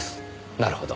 なるほど。